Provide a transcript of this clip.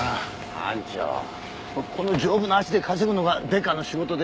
班長この丈夫な足で稼ぐのがデカの仕事ですから。